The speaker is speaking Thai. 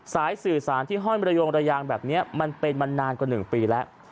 สายสื่อสารที่ห้อยมระยงระยางแบบนี้มันเป็นมานานกว่า๑ปีแล้ว